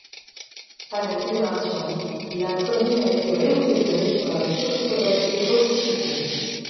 À la Libération, la commune a été réintégrée dans la Tchécoslovaquie reconstituée.